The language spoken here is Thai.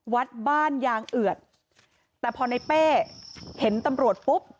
วัดบ้านยางเอือดแต่พอในเป้เห็นตำรวจปุ๊บ